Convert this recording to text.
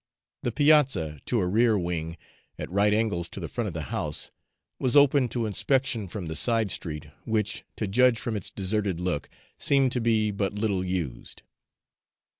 The piazza to a rear wing, at right angles to the front of the house, was open to inspection from the side street, which, to judge from its deserted look, seemed to be but little used.